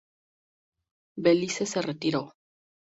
Belice se retiró.